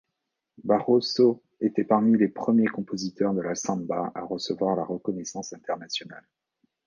Barroso était parmi les premiers compositeurs de la samba à recevoir la reconnaissance internationale.